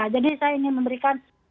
jadi saya ingin memberikan